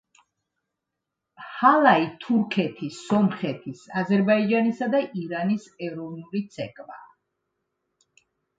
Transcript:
ჰალაი თურქეთის, სომხეთის, აზერბაიჯანისა და ირანის ეროვნული ცეკვაა.